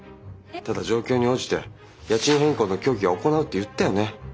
ただ状況に応じて家賃変更の協議を行うって言ったよね。